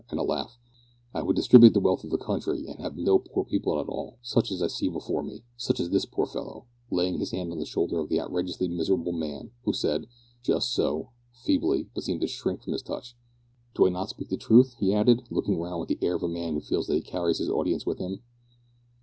and a laugh), "I would distribute the wealth of the country, and have no poor people at all such as I see before me such as this poor fellow," (laying his hand on the shoulder of the outrageously miserable man, who said `Just so' feebly, but seemed to shrink from his touch). "Do I not speak the truth?" he added, looking round with the air of a man who feels that he carries his audience with him.